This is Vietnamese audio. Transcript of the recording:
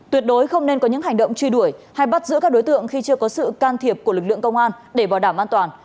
tuyệt đối không nên có những hành động truy đuổi hay bắt giữ các đối tượng khi chưa có sự can thiệp của lực lượng công an để bảo đảm an toàn